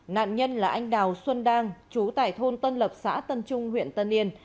nạn nhân là anh đào xuân đang chú tại thôn tân lập xã tân trung huyện tân yên